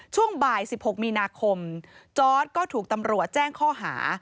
ช่วงบ่าย๑๖มีนาคมจอร์ดก็ถูกตำรวจแจ้งข้อหา